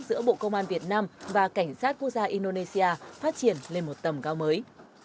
giữa bộ công an việt nam và cảnh sát quốc gia indonesia phát triển lên một tầm cao mới